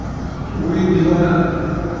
Guhên dîwar hene.